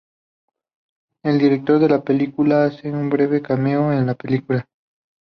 El director de la película hace un breve cameo en la película.